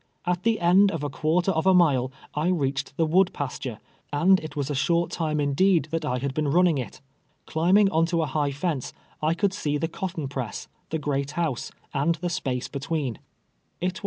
At the end of a fpuirter of a mile I reached the wood pasture, and it was a short time indeed that I had been running it. Climbing on to a high fence, I could see the cotton press, the great house, and the space between. 13G TWELVE YEARS A SLA\i